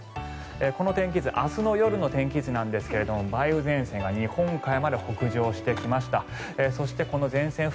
この天気図明日の夜の天気図なんですが梅雨前線が北上してきました。